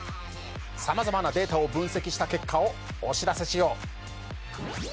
さまざまなデータを分析した結果をお知らせしよう。